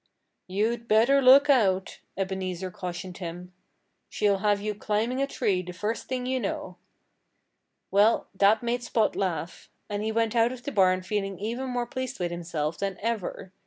"You'd better look out!" Ebenezer cautioned him. "She'll have you climbing a tree the first thing you know." Well, that made Spot laugh. And he went out of the barn feeling even more pleased with himself than ever.